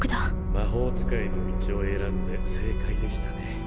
魔法使いの道を選んで正解でしたね。